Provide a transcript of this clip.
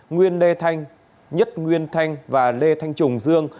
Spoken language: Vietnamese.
nguyên lê thanh nhất nguyên thanh và lê thanh trùng dương